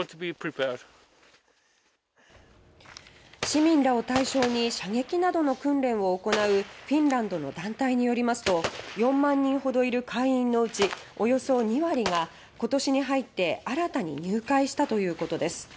市民らを対象に射撃などの訓練を行うフィンランドの団体によりますと４万人ほどいる会員のうちおよそ２割が今年に入って新たに入会したということです。